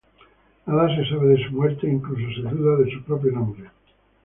Nada se sabe de su muerte e incluso se duda de su propio nombre.